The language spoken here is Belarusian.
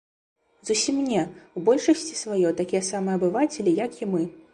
Зусім не, у большасці сваёй такія самыя абывацелі, як і мы.